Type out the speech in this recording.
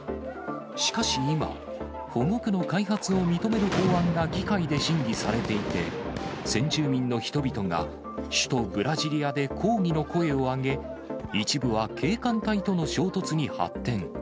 しかし今、保護区の開発を認める法案が議会で審議されていて、先住民の人々が、首都ブラジリアで抗議の声を上げ、一部は警官隊との衝突に発展。